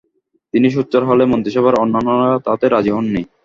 তিনি সোচ্চার হলে মন্ত্রিসভার অন্যান্যরা তাতে রাজী হননি।